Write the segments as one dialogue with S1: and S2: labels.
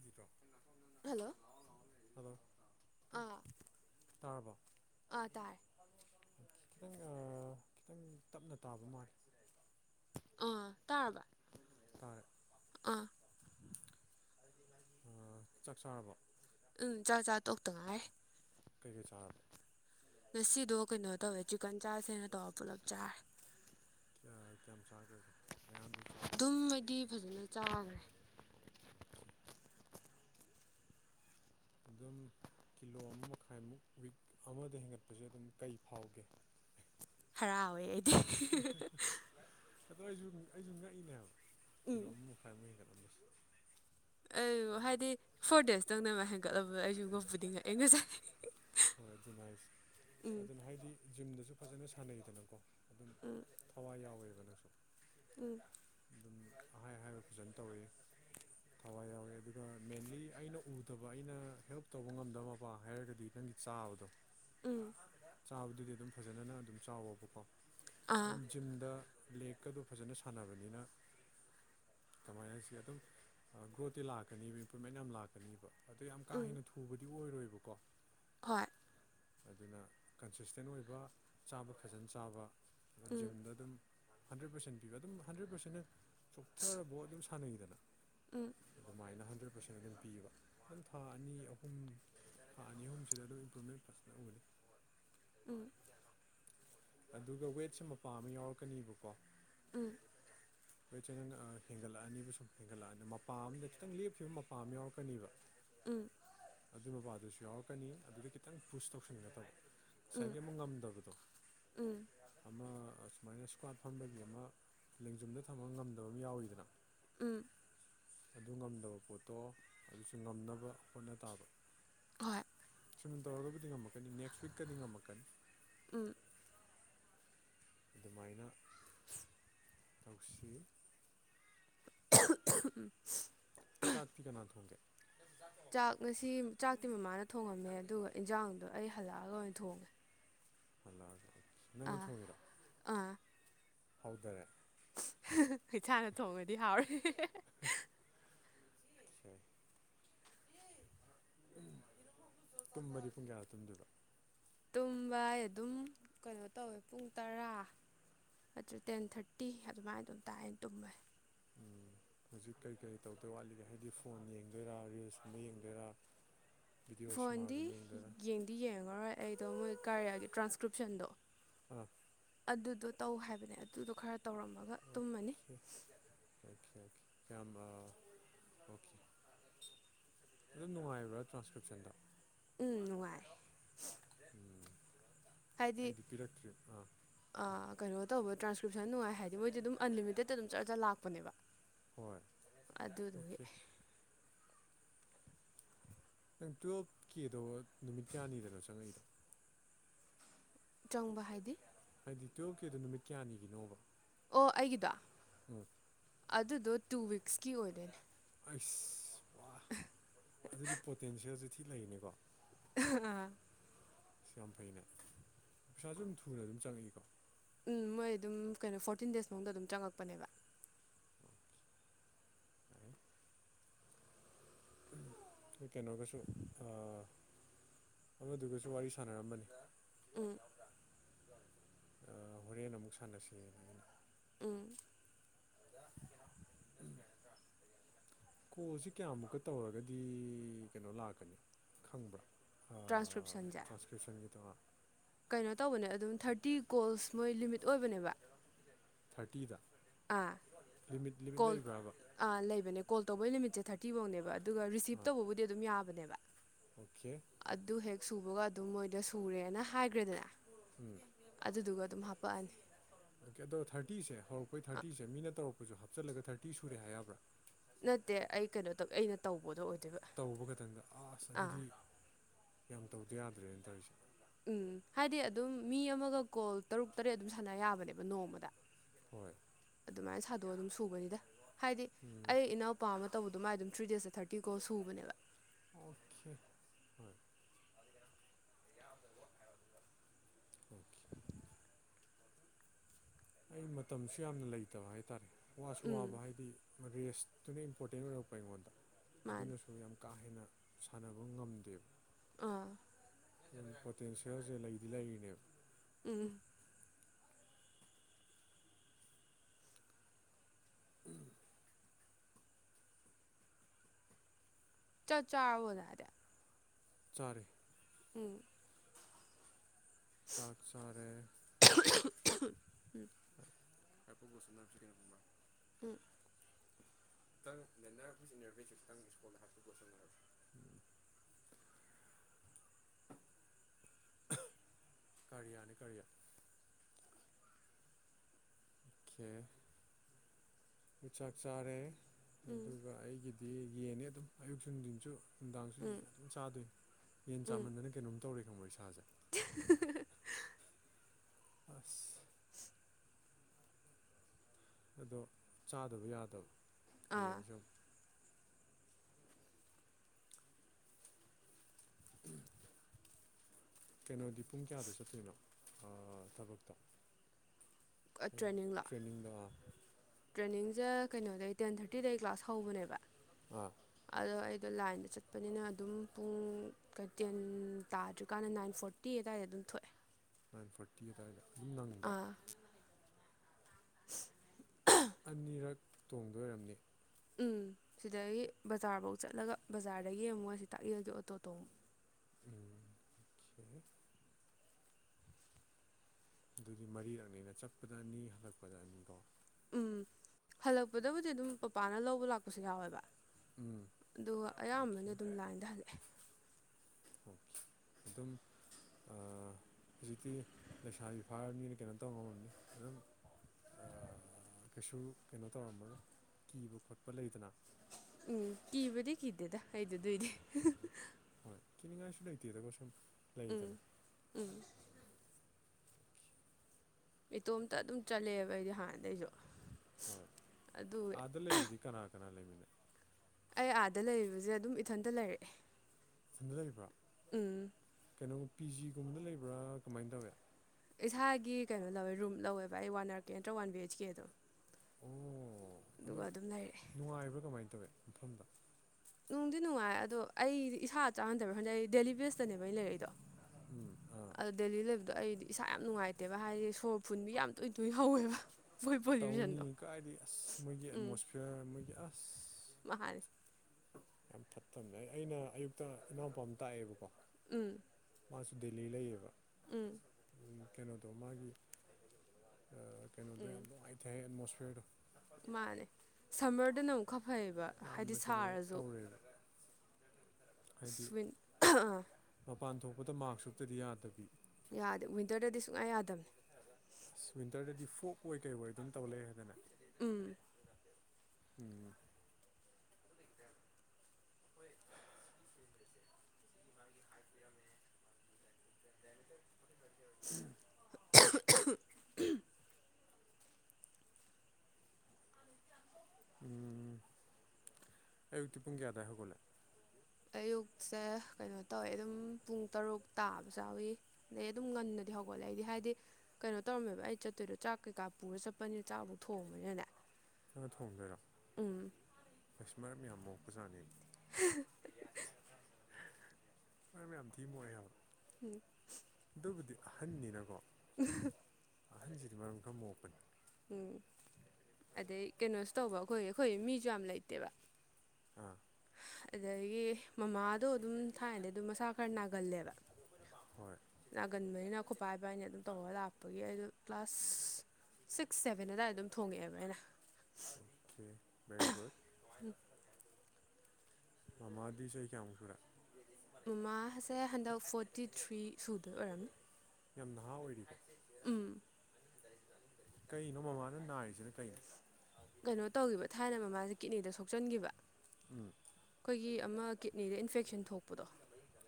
S1: ꯇꯣ
S2: hello ꯑꯥ
S1: ꯇꯥꯔꯕꯣ
S2: ꯑꯥ ꯇꯥꯏ
S1: ꯈꯤꯇꯪ ꯈꯤꯇꯪ ꯇꯞꯅ ꯇꯥꯕ ꯃꯥꯜꯂꯤ
S2: ꯑꯥ ꯇꯥꯔꯕ
S1: ꯇꯥꯔꯦ
S2: ꯑꯥ
S1: ꯑ ꯆꯥꯛ ꯆꯥꯔꯕ
S2: ꯎꯝ ꯆꯥ ꯆꯥ ꯇꯣꯛꯇ ꯉꯥꯏ
S1: ꯀꯩꯀꯩ ꯆꯥꯕ
S2: ꯉꯁꯤꯗꯣ ꯀꯩꯅꯣ ꯇꯧꯋꯦ ꯆꯤꯛꯀꯟ ꯆꯥꯁꯦꯅ ꯇꯧꯔ ꯄꯨꯂꯞ ꯆꯥꯔꯦ
S1: ꯑ ꯀꯁ
S2: ꯑꯗꯨꯝ ꯍꯥꯏꯗꯤ ꯐꯖꯅ ꯆꯥꯈ꯭ꯔꯦ
S1: ꯑꯗꯨꯝ ꯀꯤꯂꯣ ꯑꯃ ꯃꯈꯥꯏꯃꯨꯛ ꯋꯤꯛ ꯑꯃꯗ ꯍꯦꯟꯒꯠꯄꯁꯦ ꯑꯗꯨꯝ ꯀꯩ ꯐꯥꯎꯒꯦ
S2: ꯍꯔꯥꯎꯋꯦ ꯑꯩꯗꯤ
S1: ꯑꯗꯣ ꯑꯩꯁꯨ ꯑꯩꯁꯨ ꯉꯛꯏꯅꯦꯕ
S2: ꯎꯝ
S1: ꯀꯤꯂꯣ ꯑꯃ ꯃꯈꯥꯏ ꯃꯗꯛ
S2: ꯑ ꯍꯥꯏꯗꯤ ꯐꯣꯔ ꯗꯦꯖꯇꯪꯅꯦ ꯍꯦꯟꯒꯠꯂꯕ ꯑ ꯑꯩꯁꯨ ꯉꯞꯄꯨꯗꯤ ꯉꯛꯑ ꯉꯁꯥꯏ
S1: ꯍꯣꯏ ꯑꯗꯨꯅ ꯑꯩꯁꯦ
S2: ꯎꯝ
S1: ꯑꯗꯨꯅ ꯍꯥꯏꯗꯤ ꯖꯤꯝꯗꯁꯨ ꯐꯖꯅ ꯁꯥꯟꯅꯩꯗꯅꯀꯣ ꯑꯗꯨꯝ ꯊꯋꯥꯏ ꯌꯥꯎꯋꯦꯕ ꯅꯪꯁꯨ
S2: ꯎꯝ
S1: ꯑꯗꯨꯝ ꯑꯍꯥꯏ ꯑꯍꯥꯏꯕ ꯐꯖꯅ ꯇꯧꯋꯤ ꯊꯋꯥꯏ ꯌꯥꯎꯋꯦ ꯑꯗꯨꯒ ꯃꯦꯟꯂꯤ ꯑꯩꯅ ꯎꯗꯕ ꯑꯩꯅ ꯍꯦꯜꯞ ꯇꯧꯕ ꯉꯝꯗꯕꯕ ꯍꯥꯏꯔꯒꯗꯤ ꯅꯪꯒꯤ ꯆꯥꯕꯗꯣ
S2: ꯎꯝ
S1: ꯆꯥꯕꯗꯨꯗꯤ ꯑꯗꯨꯝ ꯐꯖꯅꯅ ꯑꯗꯨꯝ ꯆꯥꯎꯋꯕꯀꯣ
S2: ꯑꯥ
S1: ꯑꯗꯨꯝ ꯖꯤꯝꯗ ꯂꯦꯛꯀ ꯑꯗꯨꯣ ꯐꯖꯅ ꯁꯥꯟꯅꯕꯅꯤꯅ ꯀꯃꯥꯏꯅ ꯁꯤ ꯑꯗꯨꯝ ꯒ꯭ꯔꯣꯠꯇꯤ ꯂꯥꯛꯀꯅꯤꯕ ꯏꯝꯄ꯭ꯔꯨꯕꯃꯦꯟ ꯌꯥꯝ ꯂꯥꯛꯀꯅꯦꯕ ꯑꯗꯣ ꯌꯥꯝ ꯀꯥ
S2: ꯎꯝ
S1: ꯍꯦꯟꯅ ꯊꯨꯕꯗꯤ ꯑꯣꯏꯔꯣꯏꯕꯀꯣ
S2: ꯍꯣꯏ
S1: ꯑꯗꯨꯅ ꯀꯟꯁꯤꯁꯇꯦꯟ ꯑꯣꯏꯕ ꯆꯥꯕ ꯈꯖꯅ ꯆꯥꯕ
S2: ꯎꯝ
S1: ꯖꯤꯝꯗ ꯑꯗꯨꯝ ꯍꯟꯗ꯭ꯔꯦꯠ ꯄꯥꯔꯁꯦꯟ ꯄꯤꯕ ꯑꯗꯨꯝ ꯍꯟꯗ꯭ꯔꯦꯠ ꯄꯔꯁꯦꯟꯅ ꯆꯣꯛꯊꯔꯔꯕꯥꯎ ꯑꯗꯨꯝ ꯁꯥꯟꯅꯩꯗꯅ
S2: ꯎꯝ
S1: ꯑꯗꯨꯃꯥꯏꯅ ꯍꯟꯗ꯭ꯔꯦꯠ ꯄꯥꯔꯁꯦꯟ ꯑꯗꯨꯝ ꯄꯤꯕ ꯑꯗꯨꯝ ꯊꯥ ꯑꯅꯤ ꯑꯍꯨꯝ ꯊꯥ ꯑꯅꯤ ꯑꯍꯨꯝꯁꯤꯗ ꯑꯗꯨꯝ ꯏꯝꯄ꯭ꯔꯨꯚꯃꯦꯟ ꯐꯖꯅ ꯎꯒꯅꯤ
S2: ꯎꯝ
S1: ꯑꯗꯨꯒ ꯋꯦꯠꯁꯦ ꯃꯄꯥ ꯑꯃ ꯌꯥꯎꯔꯛꯀꯅꯦꯕꯀꯣ
S2: ꯎꯝ
S1: ꯍꯈꯣꯏ ꯆꯦꯉꯪ ꯍꯦꯟꯒꯠꯂꯛꯑꯅꯤꯕ ꯁꯨꯝ ꯍꯦꯟꯒꯠꯂꯛꯑꯅꯤ ꯃꯄꯥ ꯑꯝꯗ ꯈꯤꯇꯪ ꯂꯦꯞꯈꯤꯕ ꯃꯄꯥ ꯑꯃ ꯌꯥꯎꯔꯛꯀꯅꯤꯕ
S2: ꯎꯝ
S1: ꯑꯗꯨ ꯃꯕꯥꯗꯨꯁꯨ ꯌꯥꯎꯔꯛꯀꯅꯤ ꯑꯗꯨꯗ ꯈꯤꯇꯪ ꯄꯨꯁ ꯇꯧꯁꯟꯒꯗꯕ
S2: ꯎꯝ
S1: ꯉꯁꯥꯏꯒꯤ ꯑꯃꯨꯛ ꯉꯝꯗꯕꯗꯣ
S2: ꯎꯝ
S1: ꯑꯃ ꯑꯨꯃꯥꯏꯅ ꯏꯁꯀ꯭ꯋꯥꯠ ꯐꯝꯕꯒꯤ ꯑꯃ ꯂꯦꯡꯖꯨꯝꯗ ꯊꯝꯕ ꯉꯝꯗꯕ ꯑꯃ ꯌꯥꯎꯋꯤꯗꯅ
S2: ꯎꯝ
S1: ꯑꯗꯨ ꯉꯝꯗꯕ ꯄꯣꯠꯇꯣ ꯑꯗꯨꯁꯨ ꯉꯝꯅꯕ ꯍꯣꯠꯅ ꯇꯥꯕ
S2: ꯍꯣꯏ
S1: ꯁꯨꯝꯅ ꯇꯧꯔꯒꯕꯨꯗꯤ ꯉꯝꯃꯛꯀꯅꯤ ꯅꯦꯛꯁ ꯋꯤꯛꯀꯗꯤ ꯉꯝꯃꯛꯀꯅꯤ
S2: ꯎꯝ
S1: ꯑꯗꯨꯃꯥꯏꯅ ꯇꯧꯁꯤ
S2: ꯎ
S1: ꯆꯥꯛꯇꯤ ꯀꯅꯥ ꯊꯣꯡꯒꯦ
S2: ꯆꯥꯛ ꯉꯁꯤ ꯆꯥꯛꯇꯤ ꯃꯃꯥꯅ ꯊꯣꯡꯉꯝꯃꯦ ꯑꯗꯨꯒ ꯏꯟꯖꯥꯡꯗꯣ ꯑꯩ ꯍꯜꯂꯛꯑꯒ ꯑꯣꯏꯅ ꯊꯣꯡꯉꯦ
S1: ꯍꯂꯛꯑ ꯅꯪꯅ
S2: ꯑꯥ
S1: ꯊꯣꯡꯉꯔꯣ
S2: ꯑꯥ
S1: ꯍꯥꯎꯊꯔꯦ
S2: ꯏꯁꯥꯅ ꯊꯣꯡꯉꯗꯤ ꯍꯥꯎꯔꯦ
S1: ꯑ ꯎꯝ ꯇꯨꯝꯕꯗꯤ ꯄꯨꯡ ꯀꯌꯥ ꯇꯨꯝꯗꯣꯏꯕ
S2: ꯇꯨꯝꯕ ꯑꯗꯨꯝ ꯀꯩꯅꯣ ꯇꯧꯋꯦ ꯄꯨꯡ ꯇꯔꯥ ꯑꯗꯨ ꯇꯦꯟ ꯊꯥꯔꯇꯤ ꯑꯗꯨꯃꯥꯏꯅ ꯑꯗꯨꯝ ꯇꯥꯛꯑꯅ ꯇꯨꯝꯃꯦ
S1: ꯎꯝ ꯍꯧꯖꯤꯛ ꯀꯔꯤ ꯀꯔꯤ ꯇꯧꯗꯣꯏ ꯋꯥꯠꯂꯤꯒꯦ ꯍꯥꯏꯗꯤ ꯐꯣꯟ ꯌꯦꯡꯗꯣꯏꯔꯥ ꯔꯤꯜꯁꯀꯨꯝꯕ ꯌꯦꯡꯗꯣꯏꯔꯥ ꯚꯤꯗꯤꯑꯣ
S2: ꯐꯣꯟꯗꯤ
S1: ꯁꯤꯃꯥꯒꯨꯝꯕ ꯌꯦꯡꯗꯣꯏꯔꯥ
S2: ꯌꯦꯡꯗꯤ ꯌꯦꯡꯉꯉꯔꯣꯏ ꯑꯩꯗꯣ ꯃꯣꯏ ꯀꯥꯏꯔꯛꯒꯤ ꯇ꯭ꯔꯥꯟꯁꯀ꯭ꯔꯤꯞꯁꯟꯗꯣ
S1: ꯎꯝ
S2: ꯑꯗꯨꯗꯣ ꯇꯧ ꯍꯥꯏꯕꯅꯦ ꯑꯗꯨꯗꯣ ꯈꯔ ꯇꯧꯔꯝꯃꯒ
S1: [unintelligible]
S2: ꯇꯨꯝꯃꯅꯤ
S1: ꯌꯥꯝꯝꯕ ꯑꯣꯀꯦ ꯑꯗꯨ ꯅꯨꯡꯉꯥꯏꯕ꯭ꯔꯥ ꯇ꯭ꯔꯥꯟꯁꯀꯦꯞꯁꯟꯗ
S2: ꯎ ꯥꯏ
S1: ꯎꯝ
S2: ꯍꯥꯏꯗꯤ
S1: ꯑꯩꯗꯤ ꯄꯤꯔꯛꯇ꯭ꯔꯤ ꯑꯥ ꯍꯣꯏ
S2: ꯀꯩꯅꯣ ꯇꯧꯕ ꯇ꯭ꯔꯥꯟꯁꯀ꯭ꯔꯤꯞꯁꯟ ꯅꯨꯡꯉꯥꯏ ꯍꯥꯏꯗꯤ ꯃꯣꯏꯗꯤ ꯑꯗꯨꯝ ꯑꯟꯂꯤꯃꯤꯇꯦꯠꯇ ꯑꯗꯨꯝ ꯆꯔꯖꯔ ꯂꯥꯛꯄꯅꯦꯕ
S1: ꯍꯣꯏ
S2: ꯑꯗꯨꯗꯨꯒꯤ
S1: ꯅꯪ ꯇꯨꯌꯦꯜꯐꯀꯤꯦꯗꯣ ꯅꯨꯃꯤꯠ ꯀꯌꯥꯅꯤꯗꯅꯣ ꯆꯪꯉꯛꯏꯗꯣ
S2: ꯆꯣꯡꯕ ꯍꯥꯏꯗꯤ
S1: ꯍꯥꯏꯗꯤ ꯇꯨꯌꯦꯜꯐꯀꯤꯦꯗꯣ ꯅꯨꯃꯤꯠ ꯀꯌꯥꯅꯤꯒꯤꯅꯣꯕ
S2: ꯑꯣ ꯑꯩꯒꯤꯗꯣ
S1: ꯎꯝ
S2: ꯑꯗꯨꯗꯣ ꯇꯨ ꯋꯤꯛꯁꯀꯤ ꯑꯣꯏꯗꯣꯏꯅꯦ
S1: ꯑꯩꯁ ꯋꯥ ꯑꯗꯨꯗꯤ ꯄꯣꯇꯦꯟꯁꯤꯌꯦꯜꯁꯨ ꯊꯤ ꯂꯩꯅꯤꯀꯣ
S2: ꯑꯥ
S1: ꯌꯥꯝ ꯐꯩꯩꯅ ꯄꯩꯁꯥꯁꯨ ꯑꯗꯨꯝ ꯊꯨꯅ ꯑꯗꯨꯝ ꯆꯪꯉꯛꯏꯀꯣ
S2: ꯎꯝ ꯃꯣꯏ ꯑꯗꯨꯝ ꯀꯩꯅꯣ ꯐꯣꯔꯇꯤꯟ ꯗꯦꯖꯐꯧꯗ ꯑꯗꯨꯝ ꯆꯪꯉꯛꯄꯅꯦꯕ
S1: ꯍꯥꯏ ꯑꯩ ꯀꯩꯅꯣꯒꯁꯨ ꯑꯃꯗꯨꯒꯁꯨ ꯋꯥꯔꯤ ꯁꯥꯟꯅꯔꯝꯝꯕꯅꯤ
S2: ꯎꯝ
S1: ꯍꯣꯔꯦꯟ ꯑꯃꯨꯛ ꯁꯥꯟꯅꯁꯤꯑꯅ ꯑꯩꯅ
S2: ꯎꯝ
S1: [unintelligible] ꯀꯣꯜꯁꯤ ꯀꯌꯥꯃꯨꯛꯀ ꯇꯧꯔꯒꯗꯤ ꯀꯩꯅꯣ ꯂꯥꯛꯀꯅꯤ ꯈꯪꯕ꯭ꯔꯥ
S2: ꯇ꯭ꯔꯥꯟꯁꯀ꯭ꯔꯤꯞꯁꯟꯁꯦ
S1: ꯇ
S2: ꯀꯩꯅꯣ ꯇꯧꯕꯅꯦ ꯑꯗꯨꯝ ꯊꯥꯔꯇꯤ ꯀꯣꯜꯁ ꯃꯣꯏ ꯂꯤꯃꯤꯠ ꯑꯣꯏꯕꯅꯦꯕ
S1: ꯊꯥꯔꯇꯤꯗ
S2: ꯑꯥ
S1: ꯂꯤꯃꯤꯠ ꯂꯤꯃꯤꯠ
S2: ꯀꯣꯜ
S1: ꯂꯩꯕ꯭ꯔꯕ
S2: ꯂꯩꯕꯅꯦ ꯀꯣꯜ ꯇꯧꯕꯩ ꯅꯨꯃꯤꯠꯁꯦ ꯊꯥꯔꯇꯤꯐꯧꯅꯦꯕ ꯑꯗꯨꯒ ꯔꯤꯁꯤꯞ
S1: ꯑꯥ
S2: ꯇꯧꯕꯕꯨꯗꯤ ꯑꯗꯨꯝ ꯌꯥꯕꯅꯦꯕ
S1: ꯑꯣꯀꯦ
S2: ꯑꯗꯨ ꯍꯦꯛ ꯁꯨꯕꯒ ꯑꯗꯨꯝ ꯃꯣꯏꯗ ꯁꯨꯔꯦꯅ ꯍꯥꯏꯈ꯭ꯔꯦꯗꯅ
S1: ꯎꯝ
S2: ꯑꯗꯨꯗꯨꯒ ꯑꯗꯨꯝ ꯍꯥꯄꯛꯑꯅꯤ
S1: ꯑꯣꯀꯦ ꯑꯗꯣ ꯊꯥꯔꯇꯤꯁꯦ ꯍꯧꯔꯛꯄꯩ ꯊꯥꯔꯇꯤꯁꯦ ꯃꯤꯅꯧꯔꯄꯁꯨ ꯍꯥꯞꯆꯜꯂ ꯊꯥꯔꯇꯤ ꯁꯨꯔꯦ ꯍꯥꯏꯕ꯭ꯔꯥ
S2: ꯅꯠꯇꯦ ꯑꯩ ꯀꯩꯅꯣ ꯇꯧꯋ ꯑꯩꯅ ꯇꯧꯕꯗꯣ ꯑꯣꯏ
S1: ꯇꯧꯕ ꯈꯛꯇꯪꯗ ꯑꯁ ꯑꯗꯨꯗꯤ ꯌꯥꯝ ꯇꯧꯗ ꯌꯥꯗ꯭ꯔꯦꯅ ꯇꯧꯔꯤꯁꯦ
S2: ꯎꯝ ꯍꯥꯏꯗꯤ ꯑꯗꯨꯝ ꯃꯤ ꯑꯃꯒ ꯀꯣꯜ ꯇꯔꯨꯛ ꯇꯔꯦꯠ ꯑꯗꯨꯝ ꯁꯥꯟꯅ ꯌꯥꯕꯅꯦꯕ ꯅꯣꯡꯃꯗ
S1: ꯍꯣꯏ
S2: ꯑꯗꯨꯃꯥꯏꯅ ꯁꯥꯗꯣꯛꯑꯒ ꯑꯗꯨꯝ ꯁꯨꯕꯅꯤꯗ ꯍꯥꯏꯗꯤ
S1: ꯎꯝ
S2: ꯑꯩ ꯏꯅꯥꯎꯄꯥ ꯑꯃ ꯇꯧꯕꯗꯣ ꯃꯥꯏ ꯑꯗꯨꯝ ꯊ꯭ꯔꯤ ꯗꯦꯖꯇ ꯊꯥꯔꯇꯤꯀꯥꯎ ꯁꯕꯅꯦꯕ
S1: ꯑꯣꯦ [unintelligible] ꯑꯩ ꯃꯇꯝꯁꯨ ꯌꯥꯝꯅ ꯂꯩꯇꯕ ꯍꯥꯏꯇꯥꯔꯦ ꯋꯥꯁꯨ
S2: ꯎꯝ
S1: ꯋꯥꯕ ꯍꯥꯏꯗꯤ ꯔꯦꯁ ꯑꯗꯨꯨꯅ ꯏꯝꯄꯣꯔꯇꯦꯟ ꯑꯣꯏꯔꯛꯄ ꯑꯩꯉꯣꯟꯗ
S2: ꯃꯥꯅꯦ
S1: ꯑꯗꯨꯅꯁꯨ ꯌꯥꯝ ꯀꯥ ꯍꯦꯟꯅ ꯁꯥꯟꯅꯕ ꯉꯝꯗꯦꯕ
S2: ꯑꯥ
S1: ꯄꯣꯇꯦꯟꯁꯤꯌꯦꯜꯁꯦ ꯂꯩꯗꯤ ꯂꯩꯔꯤꯅꯦꯕ
S2: ꯎꯝ
S1: ꯎꯝ
S2: ꯆ ꯆꯥꯔꯦ
S1: ꯆꯔꯦ
S2: ꯎꯝ
S1: ꯆꯥꯛ ꯆꯥꯔꯦ
S2: ꯎꯝ
S1: ꯑꯩꯄꯨꯕꯨꯣꯁꯗꯝ ꯆꯄ ꯃꯥ
S2: ꯎꯝ
S1: ꯈꯤꯇꯪꯟꯅꯔꯟꯅꯁꯨ ꯈꯤꯪꯀꯜ ꯍꯥꯄ [unintelligible] ꯀꯔꯤꯌꯥꯅꯤ ꯀꯔꯤꯌꯥ ꯑꯣꯦ ꯆꯥꯛ ꯆꯥꯔꯦ
S2: ꯎꯝ
S1: ꯑꯗꯨꯒ ꯑꯩꯒꯤꯗꯤ ꯌꯦꯟꯅꯦ ꯑꯗꯨꯝ ꯑꯌꯨꯛ ꯁꯨꯡꯁꯤꯟꯁꯨ ꯅꯨꯡꯗꯥꯡꯁꯨ
S2: ꯎꯝ
S1: ꯌꯦꯟ ꯑꯗꯨꯝ ꯆꯥꯗꯣꯏꯅꯤ ꯌꯦꯟ
S2: ꯎꯝ
S1: ꯆꯥꯃꯟꯗꯅ ꯀꯩꯅꯣꯝ ꯇꯧꯔꯦ ꯈꯪꯕꯣꯏ ꯏꯁꯥꯁꯦ ꯑꯁ ꯑꯗꯣ ꯆꯥꯗꯕ ꯌꯥꯗꯕ
S2: ꯑꯥ
S1: ꯌꯦꯟꯁꯨ ꯑꯗꯨꯨꯝ ꯀꯩꯅꯣꯗꯤ ꯄꯨꯡ ꯀꯌꯥꯗ ꯆꯠꯇꯣꯏꯅꯣ ꯊꯕꯛꯇꯣ
S2: ꯇ꯭ꯔꯦꯅꯤꯡꯂꯣ
S1: ꯇ꯭ꯔꯦꯅꯤꯡꯗ
S2: ꯇ꯭ꯔꯦꯅꯤꯡꯁꯦ ꯀꯩꯅꯣꯗꯒꯤꯩ ꯇꯦꯟ ꯊꯥꯔꯇꯤꯗꯩ ꯀ꯭ꯂꯥꯁ ꯍꯧꯕꯅꯦꯕ
S1: ꯎꯝ
S2: ꯑꯗꯣ ꯑꯩꯗꯣ ꯂꯥꯏꯟꯗ ꯆꯠꯄꯅꯤꯅ ꯑꯗꯨꯝ ꯄꯨꯡ ꯇꯦꯟ ꯇꯥꯗ꯭ꯔꯤꯀꯥꯟꯗ ꯅꯥꯏꯟ ꯐꯣꯔꯇꯤ ꯀꯗꯥꯥꯏꯗ ꯑꯗꯨꯝ ꯊꯣꯛꯑꯦ
S1: ꯅꯥꯏꯟ ꯐꯥꯣꯔꯇꯤ ꯑꯗꯨꯋꯥꯏꯗ ꯑꯗꯨꯝ ꯅꯪꯕ꯭ꯔꯥ
S2: ꯑꯥ [unintelligible]
S1: ꯑꯅꯤꯔꯛ ꯇꯣꯡꯗꯣꯏꯔꯝꯅꯤ
S2: ꯎꯝ ꯁꯤꯗꯒꯤ ꯕꯖꯥꯔꯐꯧ ꯆꯠꯂꯒ ꯕꯖꯥꯔꯗꯒꯤ ꯌꯦꯡ ꯑꯃꯨꯣ ꯉ ꯁꯤ ꯇꯥꯛꯏꯂꯒꯦ ꯑꯣꯇꯣ ꯇꯣ ꯑꯃꯨꯛ
S1: ꯎꯝꯦ ꯑꯗꯨꯗꯤ ꯃꯔꯤꯔꯛꯅꯤꯅ ꯆꯠꯄꯗ ꯑꯅꯤ ꯍꯜꯂꯛꯄꯗ ꯑꯅꯤꯗꯣ
S2: ꯎꯝ ꯍꯜꯂꯛꯄꯗꯕꯨꯗꯤ ꯑꯗꯨꯝ ꯄꯄꯥꯅ ꯂꯧꯕ ꯂꯥꯛꯄꯁꯨ ꯌꯥꯎꯋꯦꯕ
S1: ꯎꯝ
S2: ꯑꯗꯨꯒ ꯑꯌꯥꯝꯕꯅ
S1: ꯑꯣꯀꯦ
S2: ꯑꯗꯨꯝ ꯂꯥꯏꯟꯗ ꯍꯜꯂꯛꯑꯦ
S1: ꯑꯣꯀꯦ ꯑꯗꯨꯝ ꯍꯧꯖꯤꯛꯇꯤ ꯂꯩꯁꯥꯕꯤ ꯐꯥꯔꯕꯅꯤꯅ ꯀꯩꯅꯣ ꯇꯧ ꯉꯝꯃꯕꯅꯤ ꯑꯗꯨꯝ ꯀꯩꯁꯨ ꯀꯩꯅꯣ ꯇꯧꯔꯝꯃꯔꯣꯏ ꯀꯤꯕ ꯈꯣꯠꯄ ꯂꯩꯗꯅ
S2: ꯎꯝ ꯀꯤꯕꯗꯤ ꯀꯤꯗꯦꯗ ꯑꯩꯗꯨ ꯑꯗꯨꯏꯗꯤ
S1: ꯍ ꯅꯤꯡꯥꯏꯇꯗꯀꯁꯨꯝ
S2: ꯎꯝ
S1: ꯂꯩꯇꯅ
S2: ꯎꯝ ꯏꯇꯣꯝꯇ ꯑꯗꯨꯝ ꯆꯠꯂꯛꯑꯦꯕ ꯑꯩꯗꯤ ꯍꯥꯟꯅꯗꯩꯁꯨ
S1: ꯍꯣꯏ
S2: ꯑꯗꯨꯒꯤ
S1: ꯑꯥꯗ ꯂꯩꯕꯗꯤ ꯀꯅꯥ ꯀꯅꯥ ꯂꯩꯃꯤ
S2: ꯑꯩ ꯑꯥꯗ ꯂꯩꯔꯤꯕꯁꯦ ꯑꯗꯨꯝ ꯏꯊꯟꯇ ꯂꯩꯔꯛꯑꯦ
S1: ꯁꯨꯝꯗ ꯂꯩꯕ꯭ꯔꯥ
S2: ꯎꯝ
S1: ꯀꯩꯅꯣꯒ ꯄꯤ ꯖꯤꯒꯨꯝꯕꯗ ꯂꯩꯕ꯭ꯔꯥ ꯀꯃꯥꯏꯅ ꯇꯧꯋꯦ
S2: ꯏꯁꯥꯒꯤ ꯀꯩꯅꯣ ꯂꯧꯋꯦ ꯔꯨꯝ ꯂꯧꯋꯦꯕ ꯑꯩ ꯋꯥꯟ ꯑꯥꯔ ꯀꯦ ꯅꯠꯇ꯭ꯔꯒ ꯋꯥꯟ ꯕꯤ ꯑꯩꯆ ꯀꯦꯗꯣ
S1: ꯑꯣ ꯑꯗꯨ
S2: ꯑꯗꯨꯒ ꯑꯗꯨꯝ ꯂꯩꯔꯛꯑꯦ
S1: ꯅꯨꯡꯉꯥꯏꯕ꯭ꯔꯥ ꯀꯃꯥꯏꯅ ꯇꯧꯋꯏ ꯃꯐꯝꯗ
S2: ꯅꯨꯡꯗꯤ ꯅꯨꯡꯉꯥꯏ ꯑꯗꯣ ꯑꯩꯗꯤ ꯏꯁꯥ ꯆꯥꯍꯟꯗꯕ꯭ꯔ ꯍꯟꯖꯤꯛꯦ ꯑꯩ ꯗꯦꯂꯤ ꯕꯦꯁꯇꯅꯦꯕ ꯑꯩꯩꯅ ꯂꯩꯔꯛꯏꯗꯣ
S1: ꯎꯝ ꯑꯥ
S2: ꯑ ꯗꯦꯜꯂꯤ ꯂ ꯑꯗꯣ ꯑꯩꯗꯤ ꯏꯁꯥ ꯌꯥꯝ ꯅꯨꯡꯉꯥꯏꯇꯦꯕ ꯍꯥꯏꯗꯤ ꯁꯣꯔ ꯐꯨꯟꯕꯤ ꯌꯥꯝ ꯇꯣꯏꯅ ꯇꯣꯏꯅ ꯍꯧꯋꯦꯕ ꯃꯣꯏ
S1: ꯇꯧꯅꯤ
S2: ꯄꯣꯂ꯭ꯌꯨꯁꯟꯗꯣ
S1: ꯀꯥꯏꯗꯤ ꯑꯁ ꯃꯥꯣꯏꯒꯤ
S2: ꯎꯝ
S1: ꯑꯦꯠꯃꯣꯁꯐꯤꯌꯔ ꯃꯥꯒꯤ ꯑꯁ
S2: ꯃꯥꯅꯦ
S1: ꯌꯥꯝ ꯐꯠ ꯊꯝꯅꯦ ꯑꯩ ꯑꯩꯅ ꯑꯌꯨꯛꯇ ꯏꯅꯥꯎꯄꯥ ꯑꯃ ꯇꯥꯛꯑꯦꯕꯀꯣ
S2: ꯎꯝ
S1: ꯃꯥꯁꯨ ꯗꯦꯜꯂꯤ ꯂꯩꯌꯦꯕ
S2: ꯎꯝ
S1: ꯀꯩꯅꯣꯗꯣ ꯃꯥꯒꯤ ꯀꯩꯅꯣꯗꯣ
S2: ꯎꯝ
S1: ꯌꯥꯝ ꯅꯨꯡꯉꯥꯏꯇꯦ ꯑꯦꯠꯃꯣꯁꯐꯤꯌꯔ
S2: ꯃꯥꯅꯦ ꯁꯝꯃꯔꯗꯅ ꯑꯃꯨꯛꯀ ꯐꯩꯌꯦꯕ ꯍꯥꯏꯕꯗꯤ
S1: ꯌꯥꯝꯅ ꯀꯩꯅꯣ
S2: ꯁꯥꯔꯁꯨ
S1: ꯇꯧꯔꯦꯕ
S2: ꯁꯨꯋꯤꯟ ꯑꯥ
S1: ꯄꯥꯟ ꯊꯣꯛꯄꯗ ꯃꯥꯔꯛꯁꯨ ꯎꯞꯇꯗꯤ ꯌꯥꯗꯕꯤ
S2: ꯗꯦ ꯋꯤꯟꯇꯔꯗꯗꯤ ꯁꯨꯡꯌꯥ ꯌꯥꯗꯕꯅꯤ
S1: ꯑꯁ ꯋꯤꯟꯇꯔꯗꯗꯤ ꯐꯣꯛ ꯑꯣꯏ ꯀꯩ ꯑꯣꯏ ꯑꯗꯨꯝ ꯇꯧ ꯂꯩꯛꯑꯦ ꯍꯥꯏꯗꯅ
S2: ꯎꯝ
S1: ꯎꯝ ꯎꯝ ꯎꯝ ꯑꯌꯨꯛꯇꯤ ꯄꯨꯡ ꯀꯌꯥꯗ ꯍꯧꯒꯣꯂꯦ
S2: ꯑꯌꯨꯛꯁꯦ ꯀꯩꯅꯣ ꯇꯧꯋꯦ ꯑꯗꯨꯝ ꯄꯨꯡ ꯇꯔꯨꯛ ꯇꯥꯕ ꯌꯥꯎꯋꯤ ꯑꯗꯩ ꯑꯗꯨꯝ ꯉꯟꯅꯗꯤ ꯍꯧꯒꯠꯂꯦ ꯑꯗꯩꯗꯤ ꯍꯥꯏꯗꯤ ꯀꯩꯅꯣ ꯇꯧꯔꯝꯃꯦꯕ ꯑꯩ ꯆꯠꯇꯣꯏꯗꯣ ꯆꯥꯛ ꯀꯩꯀꯥ ꯄꯨꯔꯒ ꯆꯠꯄꯅꯤꯅ ꯆꯥꯛꯐꯧ ꯊꯣꯡꯕꯅꯤꯅꯅꯦ
S1: ꯆꯅ ꯊꯣꯡꯖꯔꯣ
S2: ꯎꯝ
S1: ꯑꯩꯁ ꯃꯔꯛ ꯌꯥꯝ ꯃꯣꯛꯄꯖꯥꯠꯅꯦꯕ ꯑ ꯑ ꯊ ꯃꯦ
S2: ꯎꯝ
S1: ꯑꯗꯨꯕꯨꯗꯤ ꯑꯍꯟꯅꯤꯅꯀꯣ ꯑꯍꯟꯁꯤꯗꯤ ꯃꯔꯝ ꯈꯔ ꯃꯣꯛꯄꯅꯤ
S2: ꯎꯝ ꯑꯗꯩ ꯀꯩꯅꯣꯁꯨ ꯇꯧꯕ ꯑꯩꯈꯣꯏꯒꯤ ꯑꯩꯈꯣꯏ ꯃꯤꯁꯨ ꯌꯥꯝ ꯂꯩꯇꯦꯕ
S1: ꯑꯥ
S2: ꯑꯗꯨꯗꯒꯤ ꯃꯃꯥꯗꯣ ꯑꯗꯨꯝ ꯊꯥꯏꯅꯗꯤꯩ ꯑꯗꯨꯝ ꯃꯁꯥ ꯈꯔ ꯅꯥꯒꯜꯂꯦꯕ
S1: ꯍꯣꯏ
S2: ꯅꯥꯒꯟꯕꯅꯤꯅ ꯈꯨꯄꯕ ꯍꯥꯏꯅꯤ ꯑꯗꯨꯝ ꯇꯧꯔ ꯂꯥꯛꯄꯒꯤ ꯑꯩꯗ ꯀ꯭ꯂꯥꯁ ꯁꯤꯛꯁ ꯁꯚꯦꯟ ꯑꯗꯨꯗꯥꯋꯥꯏꯗ ꯑꯗꯨꯝ ꯊꯣꯡꯉꯛꯑꯦꯕ ꯑꯩꯅ
S1: ꯑꯣꯀꯦ ꯚꯦꯔꯤ ꯒꯨꯗ ꯃꯃꯥꯗꯤ ꯆꯍꯤ ꯀꯌꯥꯃꯨꯛ ꯁꯨꯔꯦ
S2: ꯃꯃꯥꯁꯦ ꯍꯟꯗꯛ ꯐꯣꯔꯇꯤ ꯊ꯭ꯔꯤ ꯁꯨꯗ ꯑꯣꯏꯔꯝꯅꯤ
S1: ꯌꯥꯝ ꯅꯅꯥꯥꯎ ꯑꯣꯏꯔꯤꯗꯤ
S2: ꯎꯝ
S1: ꯀꯩꯅꯣ ꯃꯃꯥꯅ ꯅꯥꯔꯤꯁꯤꯅ ꯀꯩꯅꯣ
S2: ꯀꯩꯅꯣ ꯇꯧꯈꯤꯕ ꯊꯥꯏꯅ ꯃꯃꯥꯁꯦ ꯀꯤꯠꯅꯤꯗ ꯁꯣꯛꯆꯟꯈꯤꯕ
S1: ꯎꯝ
S2: ꯑꯩꯈꯣꯏꯒꯤ ꯑꯃ ꯀꯤꯠꯅꯤꯗ ꯏꯟꯐꯦꯛꯁꯟ ꯊꯣꯛꯄꯗꯣ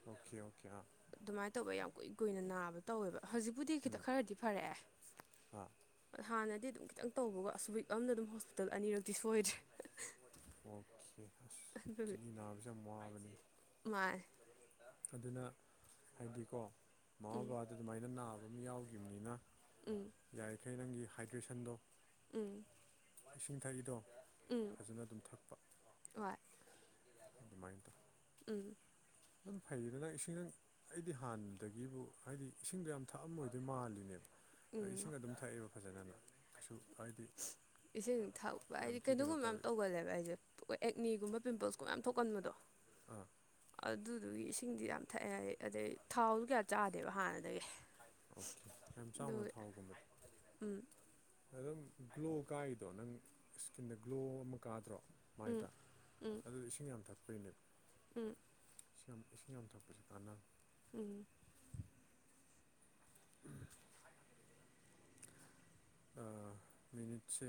S1: ꯑꯣꯀꯦ ꯑꯣꯀꯦ ꯑꯥ
S2: ꯑꯗꯨꯃꯥꯏꯅ ꯇꯧꯕ ꯌꯥꯝ ꯀꯨꯏ ꯀꯨꯏꯅ ꯅꯥꯕ ꯇꯧꯋꯦꯕ ꯍꯧꯖꯤꯛꯄꯨꯗꯤ ꯈꯤꯇ
S1: ꯎꯝ
S2: ꯈꯔꯗꯤ
S1: ꯑꯥ
S2: ꯐꯔꯛꯑꯦ ꯍꯥꯟꯅ ꯑꯗꯨꯝ ꯈꯤꯇꯪ ꯇꯧꯕꯒ ꯑꯁꯨ ꯑꯃꯅ ꯑꯗꯨꯝ ꯍꯣꯁꯄꯤꯇꯥꯜ ꯑꯅꯤꯔꯛꯇꯤ ꯁꯣꯏꯗ꯭ꯔꯦ
S1: ꯑꯣꯀꯦ ꯑꯁ
S2: ꯑꯗꯨꯒꯤ
S1: ꯆꯤꯅꯤ ꯅꯥꯕꯁꯦ ꯌꯥꯝ ꯋꯥꯕꯅꯤ
S2: ꯃꯥꯅꯦ
S1: ꯑꯗꯨꯅ ꯍꯥꯏꯗꯤꯀꯣ ꯃꯃꯥ
S2: ꯎꯝ
S1: ꯕꯕꯥꯗ ꯑꯗꯨꯃꯥꯏꯅ ꯅꯥꯕ ꯑꯃ ꯌꯥꯎꯈꯤꯕꯅꯤꯅ
S2: ꯎꯝ
S1: ꯑꯩ ꯅꯪꯒꯤ ꯍꯥꯏꯗ꯭ꯔꯦꯁꯟꯗꯣ
S2: ꯎꯝ
S1: ꯏꯁꯤꯡ ꯊꯛꯏꯗꯣ
S2: ꯎꯝ
S1: ꯐꯖꯅ ꯑꯗꯨꯝ ꯊꯛꯄ
S2: ꯍꯣꯏ
S1: ꯑꯗꯨꯃꯥꯏꯅ ꯇꯧ
S2: ꯎꯝ
S1: ꯑꯗꯨꯝ ꯐꯩꯗ ꯅꯪ ꯏꯁꯤꯡ ꯅꯪ ꯑꯩꯗꯤ ꯍꯥꯟꯅꯗꯒꯤꯕꯨ ꯍꯥꯏꯗꯤ ꯏꯁꯤꯡꯗꯣ ꯌꯥꯝ ꯊꯛꯑꯝꯃꯣꯏꯗꯣꯏ ꯃꯥꯜꯂꯤꯅꯦꯕ
S2: ꯎꯝ
S1: ꯏꯁꯤꯡ ꯑꯗꯨꯝ ꯊꯛꯑꯦꯕ ꯐꯖꯅ ꯀꯩꯁꯨ ꯍꯥꯏꯗꯤ
S2: ꯏꯁꯤꯡ ꯊꯥꯛꯄ
S1: ꯌꯥꯝ
S2: ꯍꯥꯏꯗꯤ
S1: ꯊꯤ ꯀꯩꯅꯣ
S2: ꯀꯩꯗꯒꯨꯝꯕ
S1: ꯇꯧꯋꯦ
S2: ꯑꯃ ꯇꯧꯒꯜꯂꯦꯕ ꯑꯩꯁꯦ ꯑꯦꯛꯅꯤꯒꯨꯝꯕ ꯄꯤꯝꯄꯜꯁꯀꯨꯝꯕ ꯃꯌꯥꯝ ꯊꯣꯛꯀꯟꯕꯗꯣ
S1: ꯑꯥ
S2: ꯑꯗꯨꯗꯨꯒꯤ ꯏꯁꯤꯡꯗꯤ ꯌꯥꯝ ꯊꯛꯑꯦ ꯑꯗꯩ ꯊꯥꯎꯗꯣ ꯀꯌꯥ ꯆꯥꯗꯦꯕ ꯍꯥꯟꯅꯗꯒꯤ
S1: ꯑꯣꯀꯦ ꯌꯥꯝ ꯆꯥꯎꯅ
S2: ꯑꯗꯨꯒꯤ
S1: ꯊꯥꯎꯒꯨꯝꯕ
S2: ꯎꯝ
S1: ꯑꯗꯨꯝ ꯒ꯭ꯂꯣ ꯀꯥꯏꯔꯤꯗꯣ ꯅꯪ ꯏꯁꯀꯤꯟꯗ ꯒ꯭ꯂꯣ ꯑꯃ ꯀꯥꯗ꯭ꯔꯣ
S2: ꯎꯝ
S1: ꯃꯥꯏꯗ
S2: ꯎꯝ
S1: ꯑꯗꯨ ꯏꯁꯤꯡ ꯌꯥꯝ ꯊꯛꯄꯒꯤꯅꯦꯕ
S2: ꯎꯝ
S1: ꯁꯤ ꯌꯝ ꯆꯄꯁꯤ ꯀꯥꯅ
S2: ꯎꯝ
S1: ꯃꯤꯅꯤꯠꯁꯦ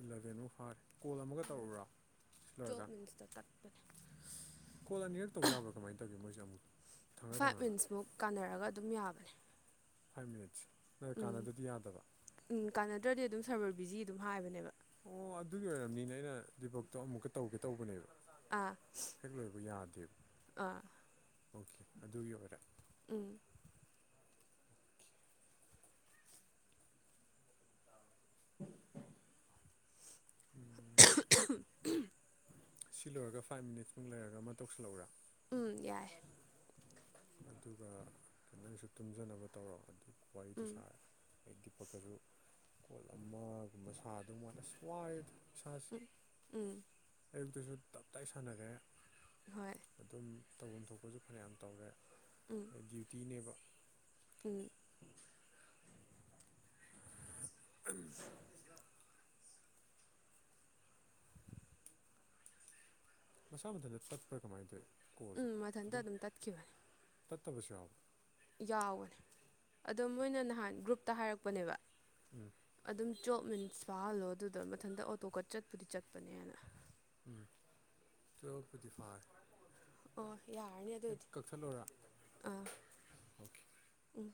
S1: ꯏꯂꯦꯚꯦꯟꯣ ꯐꯥꯔꯦ ꯀꯣꯜ ꯑꯃꯒ ꯇꯧꯔꯛꯎꯔꯥ ꯁꯤꯜꯂꯔꯒ
S2: ꯑꯗꯨ ꯊ
S1: ꯀꯣꯜ ꯑꯅꯤꯔꯛ ꯇꯧ ꯌꯥꯕ꯭ꯔꯥ ꯀꯃꯥꯏꯅ ꯇꯧꯒꯦ ꯃꯣꯏꯁꯦ ꯑꯃꯨꯛ ꯊꯪꯅ
S2: ꯐꯥꯏꯚ
S1: ꯊꯪꯅꯅ
S2: ꯃꯤꯅꯤꯠꯁꯃꯨꯛ ꯀꯥꯟꯅꯔꯒ ꯑꯗꯨꯝ ꯌꯥꯕꯅꯦ
S1: ꯐꯥꯏꯚ ꯃꯤꯅꯤꯠꯁ ꯅꯣꯏ ꯀꯥꯟꯅꯗꯗꯤ ꯌꯥꯗꯕ
S2: ꯀꯀꯥꯟꯅꯗ꯭ꯔꯗꯤ ꯑꯗꯨꯝ ꯁꯔꯕꯔ ꯕꯤꯖꯤ ꯑꯗꯨꯝ ꯍꯥꯏꯕꯅꯦꯕ
S1: ꯑꯣ ꯑꯗꯨꯒꯤ ꯑꯣꯏꯔꯕꯝꯅꯤꯅꯦ ꯑꯩꯅ ꯗꯤꯕꯛꯇꯣ ꯑꯃꯨꯛꯀ ꯇꯧꯒꯦ ꯇꯧꯕꯅꯦꯕ
S2: ꯑꯥ
S1: ꯍꯦꯛ ꯂꯣꯏꯕ ꯌꯥꯗꯦꯕ
S2: ꯑꯥ
S1: ꯑꯣꯀꯦ ꯑꯗꯨꯒꯤ ꯑꯣꯏꯔ
S2: ꯎꯝ [unintelligible]
S1: ꯁꯤ ꯂꯣꯏꯔꯒ ꯐꯥꯏꯚ ꯃꯤꯅꯤꯠꯁꯃꯨꯛ ꯂꯩꯔꯒ ꯑꯃ ꯇꯧꯁꯤꯜꯂꯍꯧꯔꯥ
S2: ꯎꯝ ꯌꯥꯏ
S1: ꯑꯗꯨꯒ ꯀꯩꯅꯪꯁꯨ ꯇꯨꯝꯖꯅꯕ ꯇꯧꯔ ꯑꯗꯨ ꯋꯥꯔꯤꯗꯨꯣ
S2: ꯎꯝ
S1: ꯁꯥꯔꯔꯒꯦ ꯑꯩꯣꯏ ꯗꯤꯄꯛꯀꯁꯨ ꯀꯣꯜ ꯑꯃꯒꯨꯝꯕ ꯁꯥ ꯑꯗꯨ ꯃꯅ ꯁ꯭ꯋꯥꯏꯗ
S2: ꯎꯝ ꯎꯝ
S1: ꯑꯌꯨꯛꯇꯁꯨ ꯇꯞ ꯇꯥꯏ ꯁꯥꯟꯅꯔ꯭ꯔꯦ
S2: ꯍꯣꯏ
S1: ꯑꯗꯨꯝ ꯇꯧꯐꯝ ꯊꯣꯛꯄꯁꯨ ꯐꯅꯌꯥꯝ ꯇꯧꯔꯦ
S2: ꯎꯝ
S1: ꯗ꯭ꯌꯨꯇꯤꯅꯦꯕ
S2: ꯎꯝ
S1: ꯎꯝ ꯃꯁꯥ ꯃꯊꯟꯇ ꯇꯠꯄ꯭ꯔ ꯀꯃꯥꯏꯅ ꯇꯧꯏ
S2: ꯎꯝ ꯃꯊꯟꯇ ꯑꯗꯨꯝ ꯇꯠꯈꯤꯕꯅꯤ
S1: ꯇꯠꯇꯕꯁꯨ ꯌꯥꯎ
S2: ꯌꯥꯎꯋꯅꯦ ꯑꯗꯣ ꯃꯣꯏꯅ ꯅꯍꯥꯟ ꯒ꯭ꯔꯨꯞꯇ ꯍꯥꯏꯔꯛꯄꯅꯦꯕ
S1: ꯎꯝ
S2: ꯑꯗꯨꯝ ꯆꯣꯞꯃꯤꯟꯁ ꯆꯥꯍꯜꯂꯣ ꯑꯗꯨꯗ ꯃꯊꯟꯇ ꯑꯣꯇꯣ ꯀꯠ ꯆꯠꯄꯨꯗꯤ ꯆꯠꯄꯅꯦꯅ
S1: ꯎꯝ ꯆꯄꯗꯤ ꯐꯔ
S2: ꯑꯣ ꯌꯥꯔꯅꯤ ꯑ ꯑꯗꯨ ꯑꯣꯏꯗꯤ
S1: ꯀꯛꯊꯠꯂꯣꯔꯥ
S2: ꯑꯥ
S1: ꯑꯣꯀꯦ
S2: ꯎꯝ